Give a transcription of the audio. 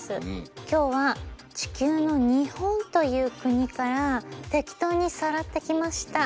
今日は地球の日本という国から適当にさらってきました。